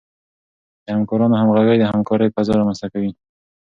د همکارانو همغږي د همکارۍ فضا رامنځته کوي.